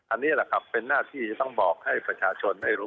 อันนี้แหละครับเป็นหน้าที่ต้องบอกให้ประชาชนได้รู้